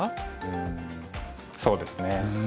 うんそうですね。